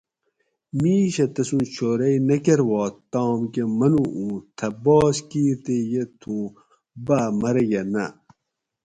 میشہ تسوں چھورئ نہ کروا تام کہ منو اُوں تھہ باس کِیر تے یہ تھوں باۤ مرگہ نہ